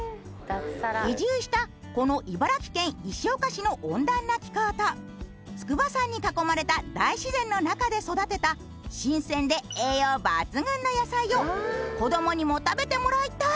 移住したこの茨城県石岡市の温暖な気候と筑波山に囲まれた大自然の中で育てた新鮮で栄養抜群の野菜を子どもにも食べてもらいたい。